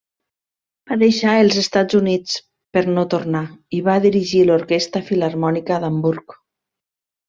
Va deixar els Estats Units, per no tornar, i va dirigir l'Orquestra Filharmònica d'Hamburg.